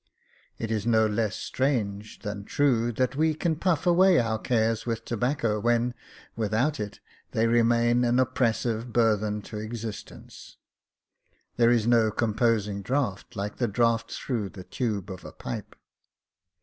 It is no less strange than true, that we can pufF away our cares with tobacco, when, without it, they remain an oppressive burthen to existence. There is no composing draught like the draught through the tube of a pipe.